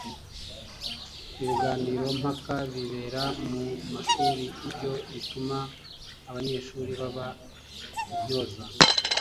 Ibiganiro mpaka bibera mu mashuri byo bituma abanyeshuri baba intyoza